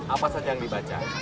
apa saja yang dibaca